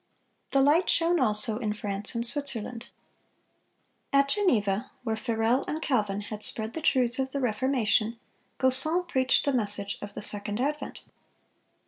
The light shone also in France and Switzerland. At Geneva, where Farel and Calvin had spread the truths of the Reformation, Gaussen preached the message of the second advent.